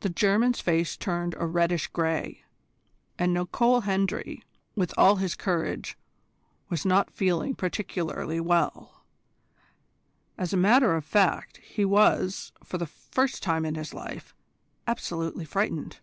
The German's face turned a reddish grey, and Nicol Hendry, with all his courage, was not feeling particularly well. As a matter of fact, he was, for the first time in his life, absolutely frightened.